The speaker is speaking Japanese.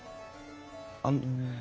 あの。